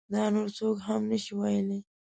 دا نور څوک هم نشي ویلی.